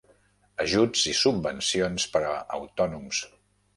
Ajuts i subvencions per a autònoms.